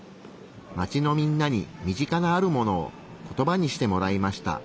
街のみんなに身近なあるものをコトバにしてもらいました。